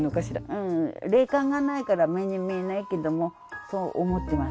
うん霊感がないから目に見えないけどもそう思ってます。